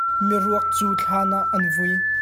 Miruak cu thlan ah an vui.